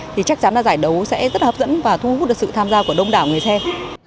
thì chắc chắn là giải đấu sẽ rất hấp dẫn và thu hút được sự tham gia của đông đảo người xem